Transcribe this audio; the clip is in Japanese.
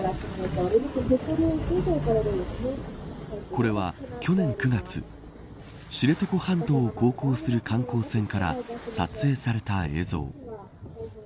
これは去年９月知床半島を航行する観光船から撮影された映像。